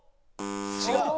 違う？